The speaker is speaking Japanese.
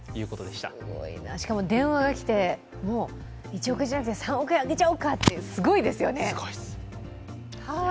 すごいな、しかも電話がきて、１億円じゃなくて３億円あげちゃおうかって、すごいですよね。